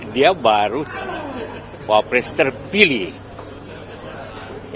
dia baru wapres terpilih